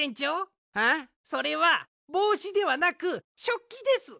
それはぼうしではなくしょっきです！